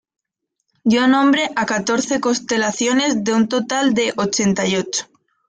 Dio nombre a catorce constelaciones de un total de ochenta y ocho.